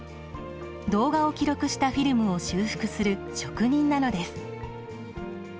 動画を記録したフィルムを修復する職人なのです。